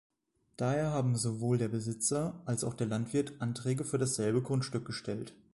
Daher haben sowohl der Besitzer als auch der Landwirt Anträge für dasselbe Grundstück gestellt.